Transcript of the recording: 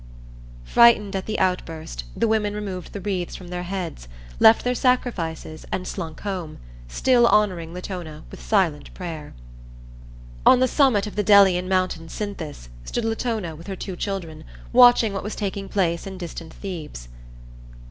Frightened at the outburst, the women removed the wreaths from their heads, left their sacrifices and slunk home, still honoring Latona with silent prayer. On the summit of the Delian mountain Cynthas stood Latona with her two children, watching what was taking place in distant Thebes.